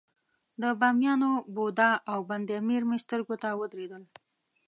د بامیانو بودا او بند امیر مې سترګو ته ودرېدل.